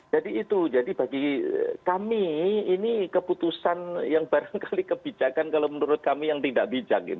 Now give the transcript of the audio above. jadi itu jadi bagi kami ini keputusan yang barangkali kebijakan kalau menurut kami yang tidak bijak